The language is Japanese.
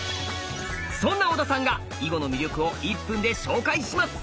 そんな小田さんが囲碁の魅力を１分で紹介します！